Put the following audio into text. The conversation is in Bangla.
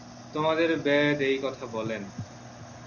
তোমাদের বেদ এই কথা বলেন।